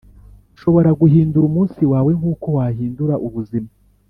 ushobora guhindura umunsi wawe nkuko wahindura ubuzima